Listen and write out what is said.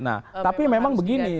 nah tapi memang begini